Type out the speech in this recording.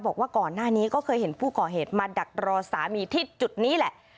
บอกว่าก่อนหน้านี้ก็เคยเห็นผู้ก่อเหตุมาดักรอสามีที่จุดนี้แหละ